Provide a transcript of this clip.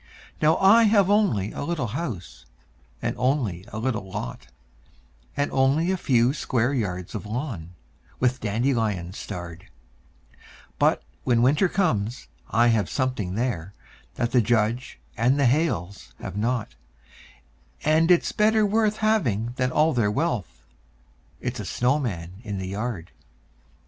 Now I have only a little house, and only a little lot, And only a few square yards of lawn, with dandelions starred; But when Winter comes, I have something there that the Judge and the Hales have not, And it's better worth having than all their wealth it's a snowman in the yard.